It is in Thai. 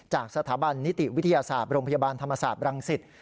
จากสถาบันนิติวิทยาศาสตร์โรงพยาบาลธรรมศาสตร์บรังสิต